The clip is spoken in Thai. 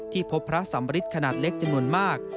ที่พบพระสัมฤทธิ์ขนาดเล็กจำนวนมาก